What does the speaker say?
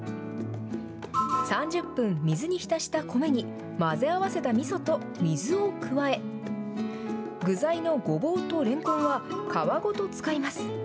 ３０分、水に浸した米に混ぜ合わせたみそと水を加え、具材のごぼうとれんこんは皮ごと使います。